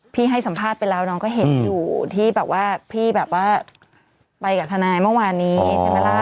ให้สัมภาษณ์ไปแล้วน้องก็เห็นอยู่ที่แบบว่าพี่แบบว่าไปกับทนายเมื่อวานนี้ใช่ไหมล่ะ